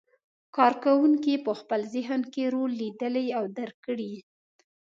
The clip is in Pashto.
کار کوونکي په خپل ذهن کې رول لیدلی او درک کړی.